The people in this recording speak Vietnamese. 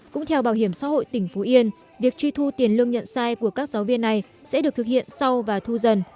cũng theo bảo hiểm xã hội tỉnh phú yên việc truy thu tiền lương nhận sai của các giáo viên này sẽ được thực hiện sau và thu dần